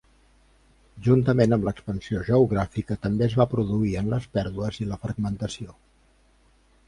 Juntament amb l'expansió geogràfica també es va produir en les pèrdues i la fragmentació.